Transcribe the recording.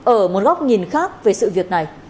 ở một góc nhìn khác về sự việc này